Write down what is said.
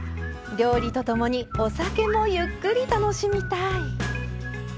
料理とともにお酒もゆっくり楽しみたい。